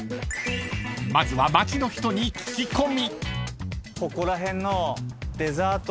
［まずは街の人に聞き込み］